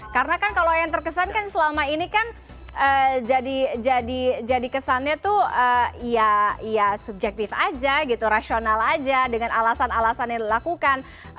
karena kan kalau yang terkesan kan selama ini kan jadi kesannya tuh ya subjektif aja gitu rasional aja dengan alasan alasan yang dilakukan